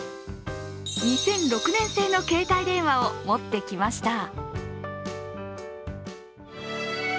２００６年製の携帯電話を持ってきました。